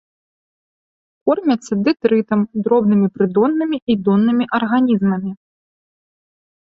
Кормяцца дэтрытам, дробнымі прыдоннымі і доннымі арганізмамі.